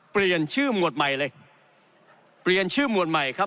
เปลี่ยนชื่อหมวดใหม่เลยเปลี่ยนชื่อหมวดใหม่ครับ